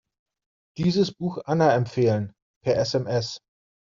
Dieses Buch Anna empfehlen, per SMS.